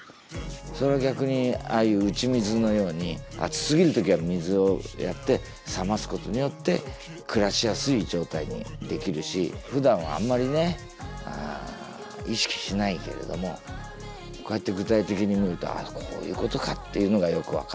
それを逆にああいう打ち水のように暑すぎる時は水をやって冷ますことによって暮らしやすい状態にできるしふだんはあんまりね意識しないけれどもこうやって具体的に見るとああこういうことかっていうのがよく分かった。